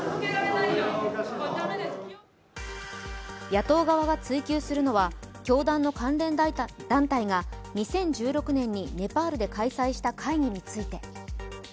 野党側が追及するのは、教会の関連団体が２０１６年にネパールで開催した会議について。